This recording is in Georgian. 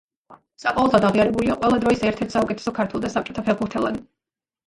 საყოველთაოდ აღიარებულია ყველა დროის ერთ-ერთ საუკეთესო ქართველ და საბჭოთა ფეხბურთელად.